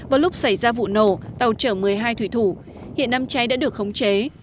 vào lúc xảy ra vụ nổ tàu chở một mươi hai thủy thủ hiện năm cháy đã được khống chế